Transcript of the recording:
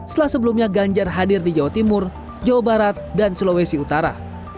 setelah sebelumnya ganjar hadir di jawa timur jawa barat dan sulawesi utara